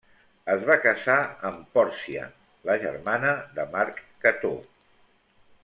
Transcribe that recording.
Es va casar amb Pòrcia la germana de Marc Cató.